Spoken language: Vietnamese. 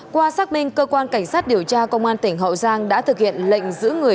qua xác minh cơ quan cảnh sát điều tra công an tỉnh hậu giang đã thực hiện lệnh giữ người